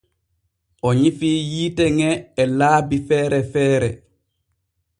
O nyifii yiite ŋe e laabi feere feere.